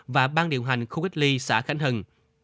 và ban điều hành khu cách ly xã khánh hưng